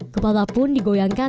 kepala pun digoyangkan